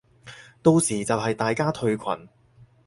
到時就係大家退群